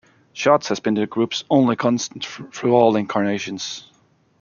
Schatz has been the group's only constant through all incarnations.